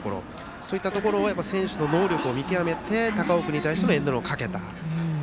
そういったところで選手の能力を見極めて高尾君に対してエンドランをかけた。